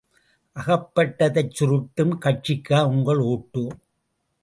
அகப்பட்டதைச் சுருட்டும் கட்சிக்கா உங்கள் ஒட்டு?